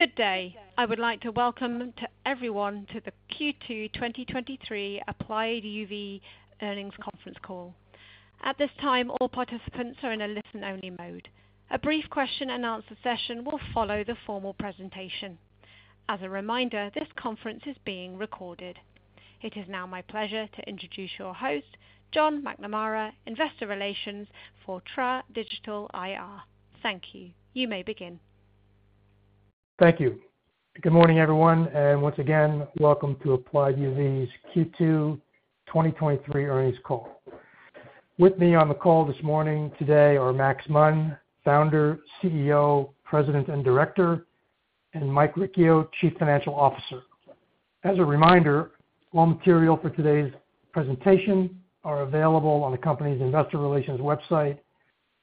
Good day. I would like to welcome to everyone to the Q2 2023 Applied UV Earnings Conference Call. At this time, all participants are in a listen-only mode. A brief question and answer session will follow the formal presentation. As a reminder, this conference is being recorded. It is now my pleasure to introduce your host, John McNamara, investor relations for TraDigital IR. Thank you. You may begin. Thank you. Good morning, everyone. Once again, welcome to Applied UV's Q2 2023 Earnings Call. With me on the call this morning today are Max Munn, Founder, CEO, President, and Director, Mike Riccio, Chief Financial Officer. As a reminder, all material for today's presentation are available on the company's investor relations website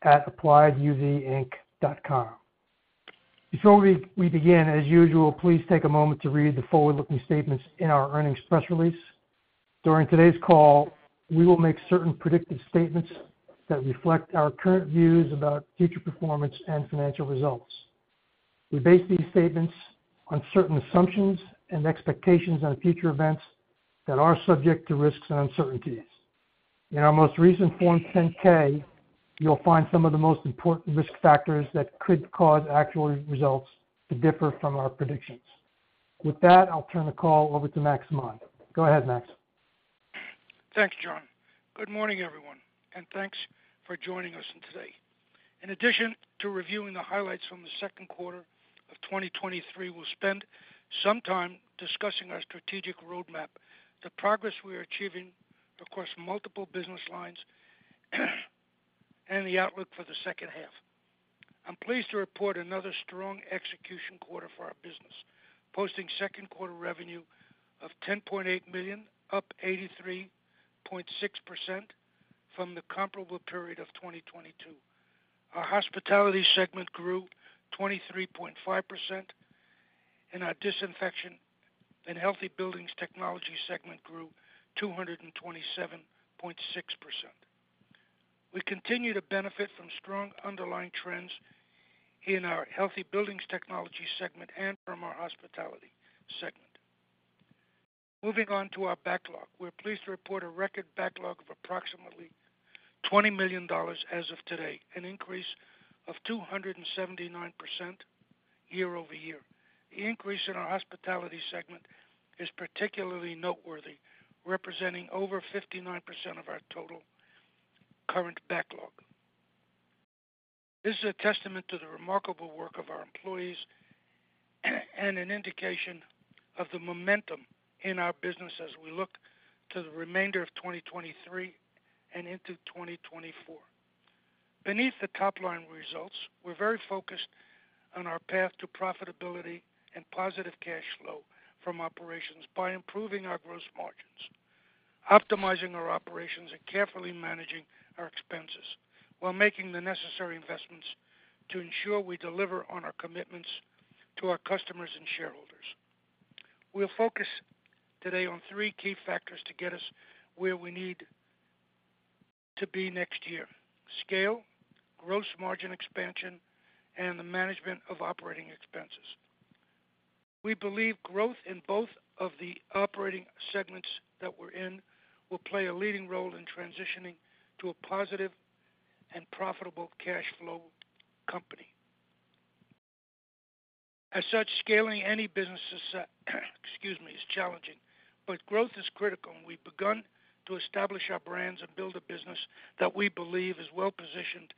at applieduvinc.com. Before we begin, as usual, please take a moment to read the forward-looking statements in our earnings press release. During today's call, we will make certain predictive statements that reflect our current views about future performance and financial results. We base these statements on certain assumptions and expectations on future events that are subject to risks and uncertainties. In our most recent Form 10-K, you'll find some of the most important risk factors that could cause actual results to differ from our predictions. With that, I'll turn the call over to Max Munn. Go ahead, Max. Thanks, John. Good morning, everyone. Thanks for joining us today. In addition to reviewing the highlights from the second quarter of 2023, we'll spend some time discussing our strategic roadmap, the progress we are achieving across multiple business lines, and the outlook for the second half. I'm pleased to report another strong execution quarter for our business, posting second quarter revenue of $10.8 million, up 83.6% from the comparable period of 2022. Our hospitality segment grew 23.5%. Our Disinfection and Healthy Buildings Technologies segment grew 227.6%. We continue to benefit from strong underlying trends in our Healthy Buildings Technologies segment and from our Hospitality segment. Moving on to our backlog. We're pleased to report a record backlog of approximately $20 million as of today, an increase of 279% year-over-year. The increase in our Hospitality segment is particularly noteworthy, representing over 59% of our total current backlog. This is a testament to the remarkable work of our employees, an indication of the momentum in our business as we look to the remainder of 2023 and into 2024. Beneath the top line results, we're very focused on our path to profitability and positive cash flow from operations by improving our gross margins, optimizing our operations, and carefully managing our expenses while making the necessary investments to ensure we deliver on our commitments to our customers and shareholders. We'll focus today on three key factors to get us where we need to be next year. Scale, gross margin expansion, and the management of operating expenses. We believe growth in both of the operating segments that we're in will play a leading role in transitioning to a positive and profitable cash flow company. As such, scaling any business is, excuse me, is challenging, but growth is critical, and we've begun to establish our brands and build a business that we believe is well-positioned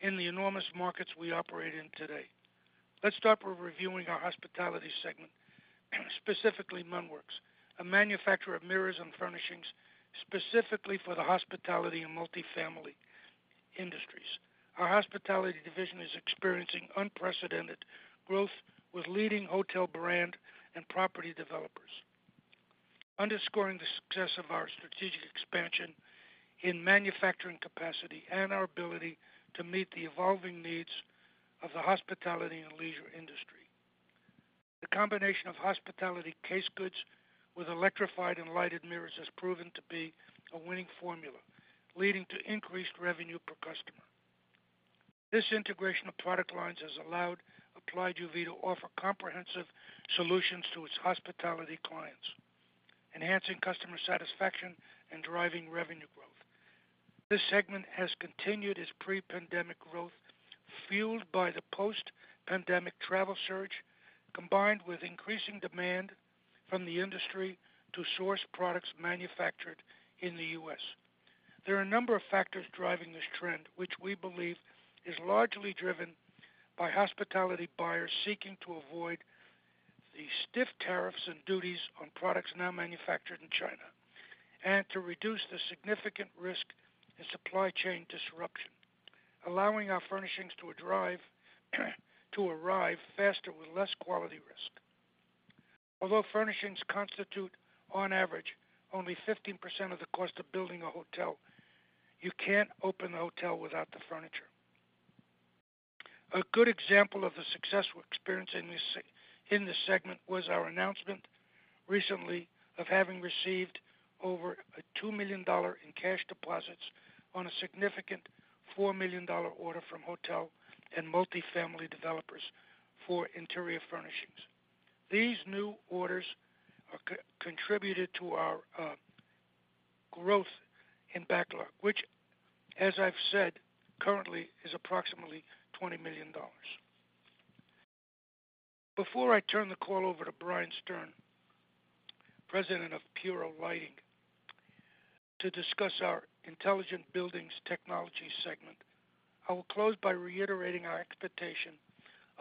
in the enormous markets we operate in today. Let's start with reviewing our Hospitality segment, specifically MunnWorks, a manufacturer of mirrors and furnishings, specifically for the hospitality and multifamily industries. Our hospitality division is experiencing unprecedented growth with leading hotel brand and property developers, underscoring the success of our strategic expansion in manufacturing capacity and our ability to meet the evolving needs of the hospitality and leisure industry. The combination of hospitality case goods with electrified and lighted mirrors has proven to be a winning formula, leading to increased revenue per customer. This integration of product lines has allowed Applied UV to offer comprehensive solutions to its hospitality clients, enhancing customer satisfaction and driving revenue growth. This segment has continued its pre-pandemic growth, fueled by the post-pandemic travel search, combined with increasing demand from the industry to source products manufactured in the US. There are a number of factors driving this trend, which we believe is largely driven by hospitality buyers seeking to avoid the stiff tariffs and duties on products now manufactured in China, and to reduce the significant risk in supply chain disruption, allowing our furnishings to arrive faster with less quality risk. Although furnishings constitute, on average, only 15% of the cost of building a hotel, you can't open a hotel without the furniture. A good example of the success we're experiencing in this, in this segment was our announcement recently of having received over a $2 million in cash deposits on a significant $4 million order from hotel and multifamily developers for interior furnishings. These new orders are contributed to our growth in backlog, which, as I've said, currently is approximately $20 million. Before I turn the call over to Brian Stern, President of Puro Lighting, to discuss our intelligent buildings technology segment, I will close by reiterating our expectation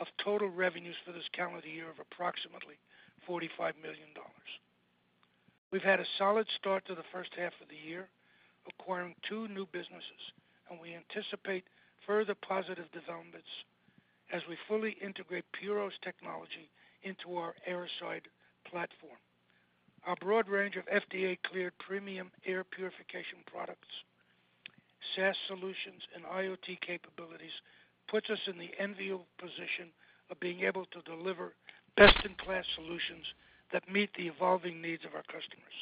of total revenues for this calendar year of approximately $45 million. We've had a solid start to the first half of the year, acquiring two new businesses, and we anticipate further positive developments as we fully integrate Puro's technology into our Airocide platform. Our broad range of FDA-cleared premium air purification products, SaaS solutions, and IoT capabilities puts us in the enviable position of being able to deliver best-in-class solutions that meet the evolving needs of our customers.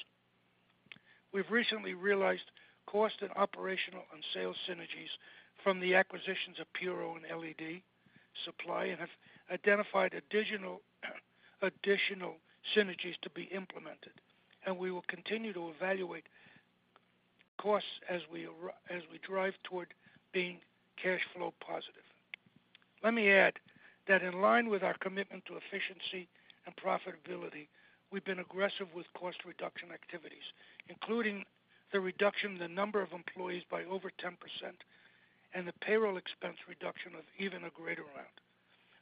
We've recently realized cost and operational and sales synergies from the acquisitions of Puro and LED Supply, and have identified additional, additional synergies to be implemented, and we will continue to evaluate costs as we as we drive toward being cash flow positive. Let me add that in line with our commitment to efficiency and profitability, we've been aggressive with cost reduction activities, including the reduction in the number of employees by over 10% and the payroll expense reduction of even a greater amount,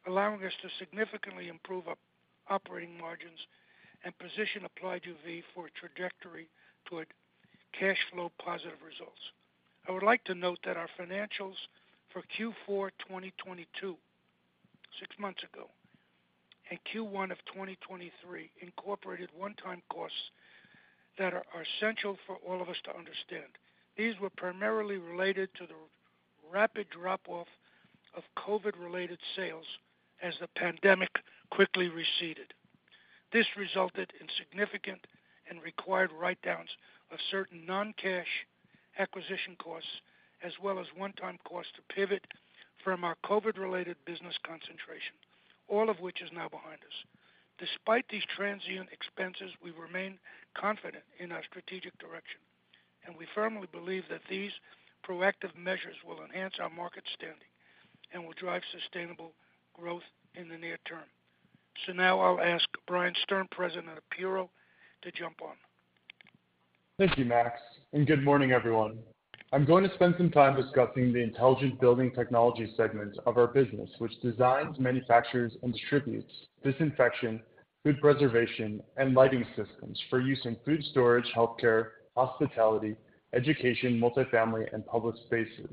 allowing us to significantly improve our operating margins and position Applied UV for a trajectory toward cash flow positive results. I would like to note that our financials for Q4 2022, six months ago, and Q1 of 2023, incorporated one-time costs that are, are essential for all of us to understand. These were primarily related to the rapid drop-off of COVID-related sales as the pandemic quickly receded. This resulted in significant and required write-downs of certain non-cash acquisition costs, as well as one-time costs to pivot from our COVID-related business concentration, all of which is now behind us. Despite these transient expenses, we remain confident in our strategic direction, and we firmly believe that these proactive measures will enhance our market standing and will drive sustainable growth in the near term. Now I'll ask Brian Stern, President of Puro, to jump on. Thank you, Max. Good morning, everyone. I'm going to spend some time discussing the intelligent building technology segment of our business, which designs, manufactures, and distributes disinfection, food preservation, and lighting systems for use in food storage, healthcare, hospitality, education, multifamily, and public spaces,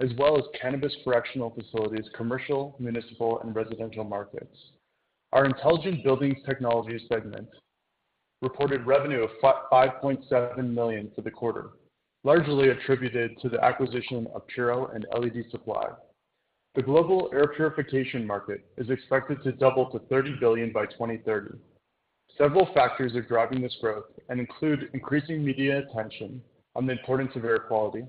as well as cannabis correctional facilities, commercial, municipal, and residential markets. Our intelligent buildings technology segment reported revenue of $5.7 million for the quarter, largely attributed to the acquisition of Puro and LED Supply. The global air purification market is expected to double to $30 billion by 2030. Several factors are driving this growth and include increasing media attention on the importance of air quality,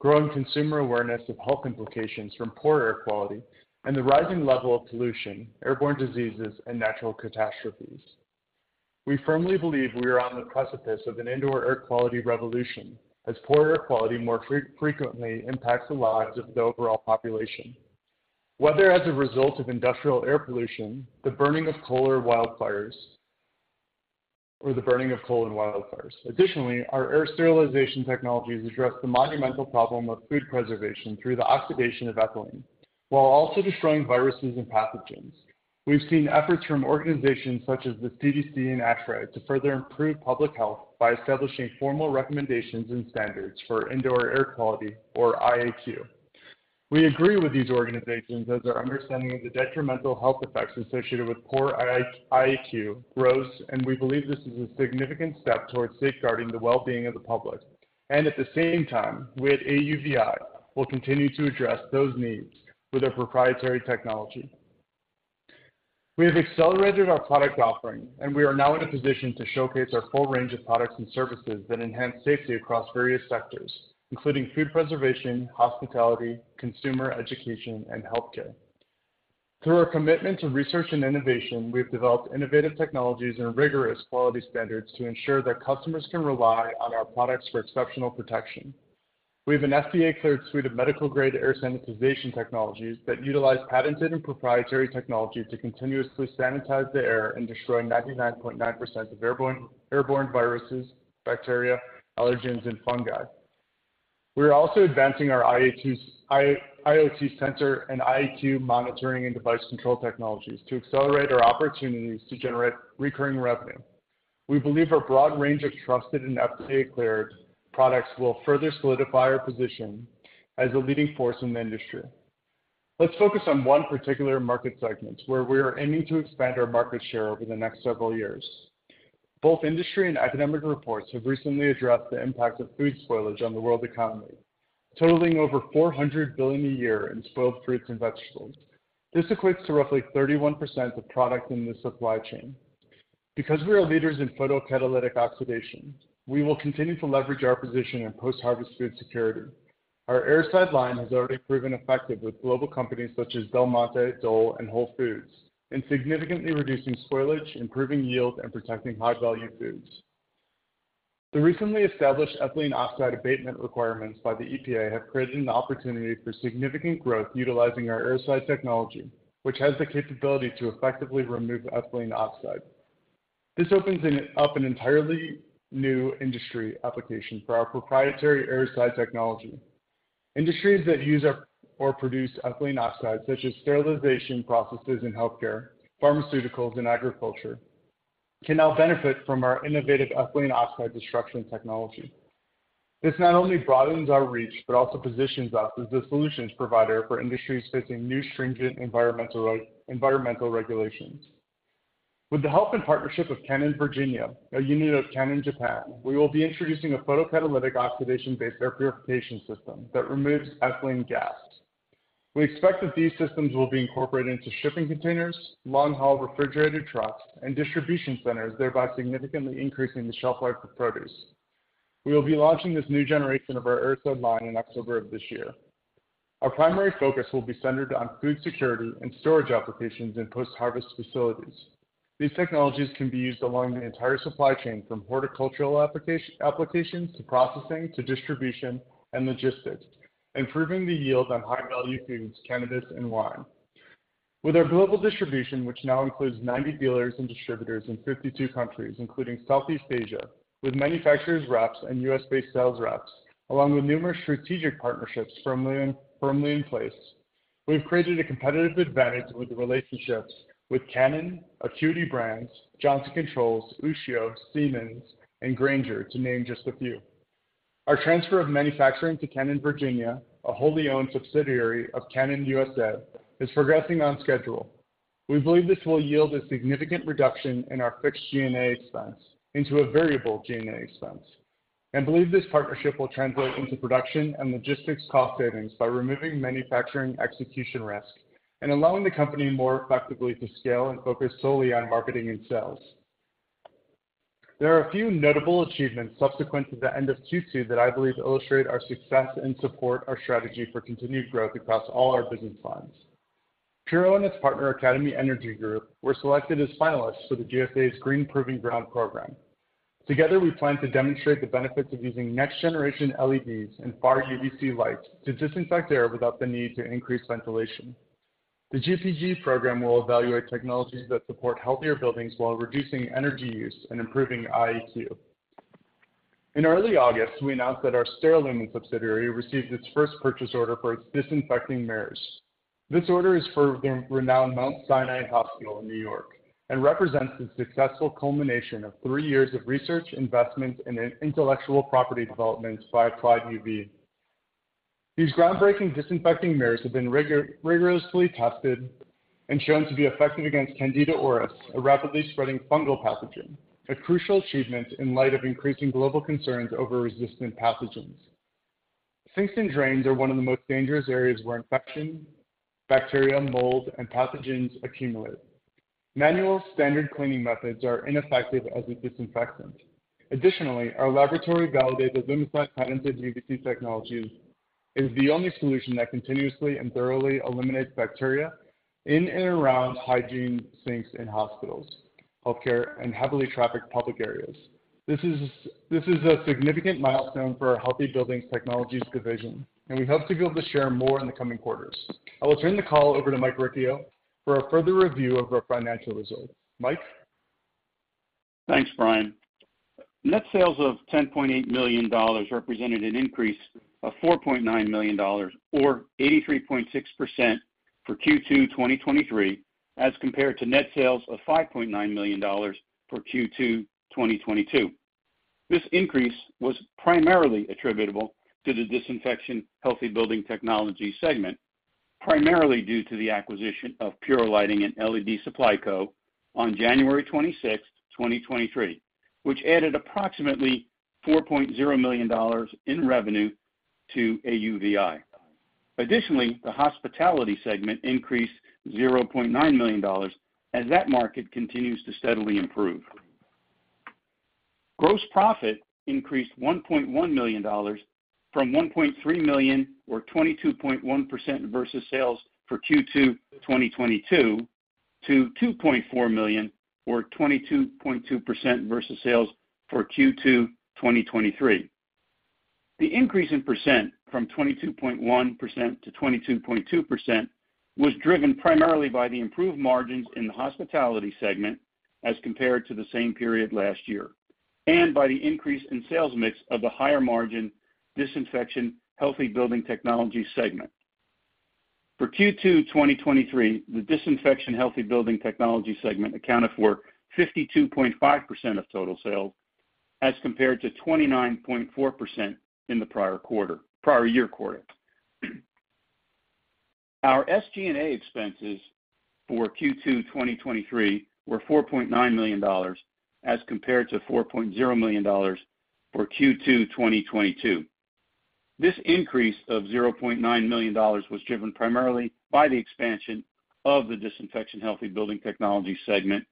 growing consumer awareness of health implications from poor air quality, and the rising level of pollution, airborne diseases, and natural catastrophes. We firmly believe we are on the precipice of an indoor air quality revolution, as poor air quality more frequently impacts the lives of the overall population, whether as a result of industrial air pollution, the burning of coal or wildfires, or the burning of coal and wildfires. Additionally, our air sterilization technologies address the monumental problem of food preservation through the oxidation of ethylene, while also destroying viruses and pathogens. We've seen efforts from organizations such as the CDC and ASHRAE to further improve public health by establishing formal recommendations and standards for indoor air quality, or IAQ. We agree with these organizations as our understanding of the detrimental health effects associated with poor IAQ grows, and we believe this is a significant step towards safeguarding the well-being of the public. At the same time, we at AUVI will continue to address those needs with our proprietary technology. We have accelerated our product offering, and we are now in a position to showcase our full range of products and services that enhance safety across various sectors, including food preservation, hospitality, consumer education, and healthcare. Through our commitment to research and innovation, we've developed innovative technologies and rigorous quality standards to ensure that customers can rely on our products for exceptional protection. We have an FDA-cleared suite of medical-grade air sanitization technologies that utilize patented and proprietary technology to continuously sanitize the air and destroy 99.9% of airborne, airborne viruses, bacteria, allergens, and fungi. We are also advancing our IAQ IoT sensor and IAQ monitoring and device control technologies to accelerate our opportunities to generate recurring revenue. We believe our broad range of trusted and FDA-cleared products will further solidify our position as a leading force in the industry. Let's focus on one particular market segment where we are aiming to expand our market share over the next several years. Both industry and academic reports have recently addressed the impact of food spoilage on the world economy. Totaling over $400 billion a year in spoiled fruits and vegetables. This equates to roughly 31% of product in the supply chain. Because we are leaders in photocatalytic oxidation, we will continue to leverage our position in post-harvest food security. Our Airocide line has already proven effective with global companies such as Del Monte, Dole, and Whole Foods in significantly reducing spoilage, improving yield, and protecting high-value foods. The recently established ethylene oxide abatement requirements by the EPA have created an opportunity for significant growth utilizing our Airocide technology, which has the capability to effectively remove ethylene oxide. This opens up an entirely new industry application for our proprietary Airocide technology. Industries that use our or produce ethylene oxide, such as sterilization processes in healthcare, pharmaceuticals, and agriculture, can now benefit from our innovative ethylene oxide destruction technology. This not only broadens our reach, but also positions us as the solutions provider for industries facing new, stringent environmental regulations. With the help and partnership of Canon Virginia, a unit of Canon Inc., we will be introducing a photocatalytic oxidation-based air purification system that removes ethylene gas. We expect that these systems will be incorporated into shipping containers, long-haul refrigerated trucks, and distribution centers, thereby significantly increasing the shelf life of produce. We will be launching this new generation of our Airocide line in October of this year. Our primary focus will be centered on food security and storage applications in post-harvest facilities. These technologies can be used along the entire supply chain, from horticultural applications, to processing, to distribution and logistics, improving the yield on high-value foods, cannabis and wine. With our global distribution, which now includes 90 dealers and distributors in 52 countries, including Southeast Asia, with manufacturer's reps and U.S.-based sales reps, along with numerous strategic partnerships firmly, firmly in place, we've created a competitive advantage with relationships with Canon, Acuity Brands, Johnson Controls, Ushio, Siemens, and Grainger, to name just a few. Our transfer of manufacturing to Canon Virginia, a wholly owned subsidiary of Canon U.S.A., is progressing on schedule. We believe this will yield a significant reduction in our fixed G&A expense into a variable G&A expense, and believe this partnership will translate into production and logistics cost savings by removing manufacturing execution risk and allowing the company more effectively to scale and focus solely on marketing and sales. There are a few notable achievements subsequent to the end of Q2 that I believe illustrate our success and support our strategy for continued growth across all our business lines. Puro and its partner, Academy Energy Group, were selected as finalists for the GSA's Green Proving Ground program. Together, we plan to demonstrate the benefits of using next-generation LEDs and far-UVC lights to disinfect air without the need to increase ventilation. The GPG program will evaluate technologies that support healthier buildings while reducing energy use and improving IAQ. In early August, we announced that our SteriLumen subsidiary received its first purchase order for its disinfecting mirrors. This order is for the renowned Mount Sinai Hospital in New York and represents the successful culmination of three years of research, investment, and intellectual property development by Applied UV. These groundbreaking disinfecting mirrors have been rigorously tested and shown to be effective against Candida auris, a rapidly spreading fungal pathogen, a crucial achievement in light of increasing global concerns over resistant pathogens. Sinks and drains are one of the most dangerous areas where infection, bacteria, mold, and pathogens accumulate. Manual standard cleaning methods are ineffective as a disinfectant. Additionally, our laboratory-validated Lumicide patented UVC technology is the only solution that continuously and thoroughly eliminates bacteria in and around hygiene sinks in hospitals, healthcare, and heavily trafficked public areas. This is, this is a significant milestone for our Healthy Buildings Technologies division, and we hope to be able to share more in the coming quarters. I will turn the call over to Mike Riccio for a further review of our financial results. Mike? Thanks, Brian. Net sales of $10.8 million represented an increase of $4.9 million, or 83.6%, for Q2 2023, as compared to net sales of $5.9 million for Q2 2022. This increase was primarily attributable to the Disinfection Healthy Building Technology segment, primarily due to the acquisition of Puro Lighting and LED Supply Co. on January 26, 2023, which added approximately $4.0 million in revenue to AUVI. Additionally, the hospitality segment increased $0.9 million, as that market continues to steadily improve. Gross profit increased $1.1 million from $1.3 million or 22.1% versus sales for Q2 2022 to $2.4 million, or 22.2% versus sales for Q2 2023. The increase in percent from 22.1% to 22.2% was driven primarily by the improved margins in the hospitality segment as compared to the same period last year, and by the increase in sales mix of the higher-margin Disinfection Healthy Building Technology segment. For Q2 2023, the Disinfection Healthy Building Technology segment accounted for 52.5% of total sales as compared to 29.4% in the prior year quarter. Our SG&A expenses for Q2 2023 were $4.9 million, as compared to $4.0 million for Q2 2022. This increase of $0.9 million was driven primarily by the expansion of the Disinfection Healthy Building Technology segment,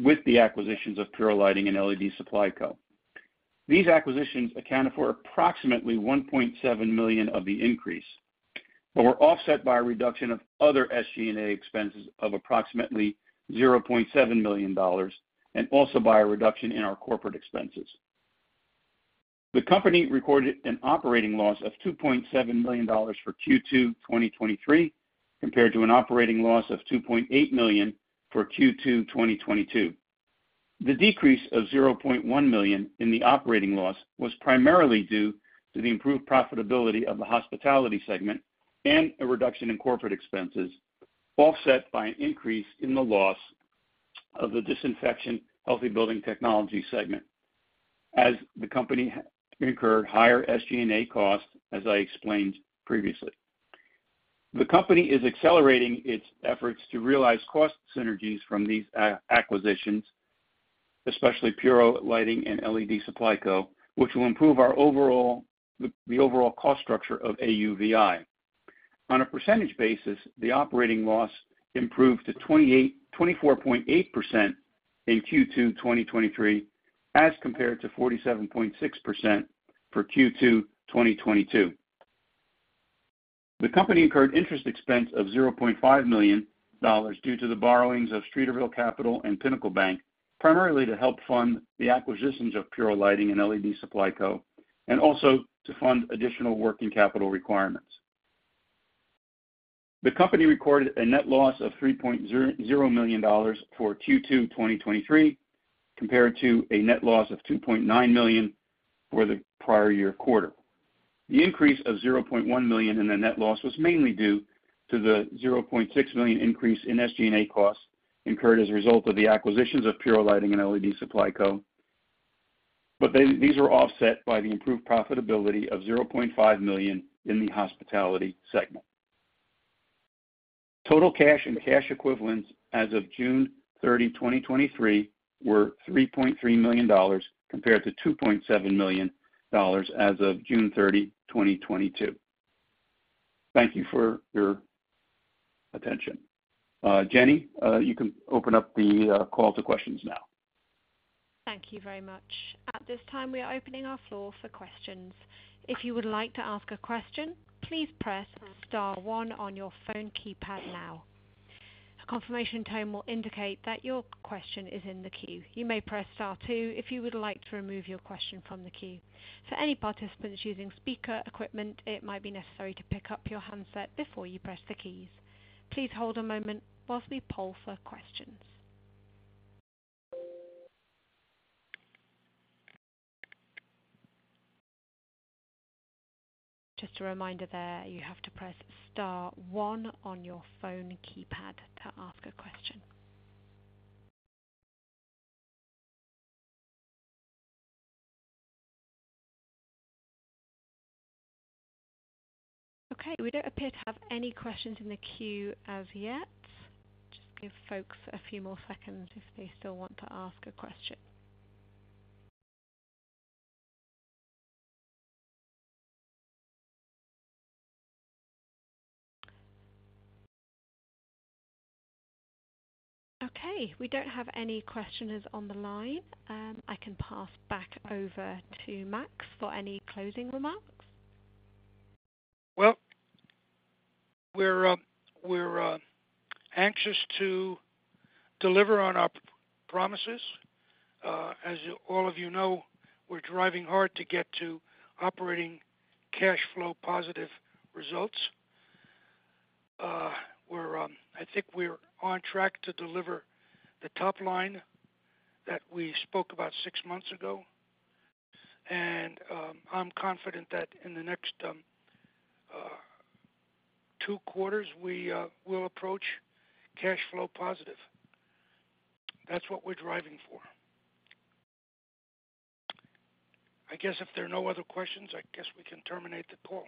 with the acquisitions of Puro Lighting and LED Supply Co. These acquisitions accounted for approximately $1.7 million of the increase, were offset by a reduction of other SG&A expenses of approximately $0.7 million, and also by a reduction in our corporate expenses. The company recorded an operating loss of $2.7 million for Q2 2023, compared to an operating loss of $2.8 million for Q2 2022. The decrease of $0.1 million in the operating loss was primarily due to the improved profitability of the hospitality segment and a reduction in corporate expenses, offset by an increase in the loss of the Disinfection Healthy Building Technology segment, as the company incurred higher SG&A costs, as I explained previously. The company is accelerating its efforts to realize cost synergies from these acquisitions, especially Puro Lighting and LED Supply Co., which will improve our overall cost structure of AUVI. On a percentage basis, the operating loss improved to 24.8% in Q2 2023, as compared to 47.6% for Q2 2022. The company incurred interest expense of $0.5 million due to the borrowings of Streeterville Capital and Pinnacle Bank, primarily to help fund the acquisitions of Puro Lighting and LED Supply Co. Also to fund additional working capital requirements. The company recorded a net loss of $3.0 million for Q2 2023, compared to a net loss of $2.9 million for the prior year quarter. The increase of $0.1 million in the net loss was mainly due to the $0.6 million increase in SG&A costs, incurred as a result of the acquisitions of Puro Lighting and LED Supply Co. These were offset by the improved profitability of $0.5 million in the hospitality segment. Total cash and cash equivalents as of June 30, 2023, were $3.3 million, compared to $2.7 million as of June 30, 2022. Thank you for your attention. Jenny, you can open up the call to questions now. Thank you very much. At this time, we are opening our floor for questions. If you would like to ask a question, please press *1 on your phone keypad now. A confirmation tone will indicate that your question is in the queue. You may press * two if you would like to remove your question from the queue. For any participants using speaker equipment, it might be necessary to pick up your handset before you press the keys. Please hold a moment while we poll for questions. Just a reminder there, you have to press *1 on your phone keypad to ask a question. Okay, we don't appear to have any questions in the queue as yet. Just give folks a few more seconds if they still want to ask a question. Okay, we don't have any questioners on the line. I can pass back over to Max for any closing remarks. Well, we're, we're anxious to deliver on our promises. As you, all of you know, we're driving hard to get to operating cash flow positive results. We're, I think we're on track to deliver the top line that we spoke about six months ago, I'm confident that in the next, two quarters, we will approach cash flow positive. That's what we're driving for. I guess if there are no other questions, I guess we can terminate the call.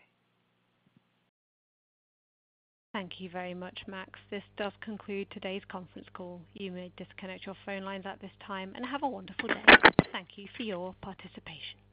Thank you very much, Max. This does conclude today's conference call. You may disconnect your phone lines at this time and have a wonderful day. Thank you for your participation.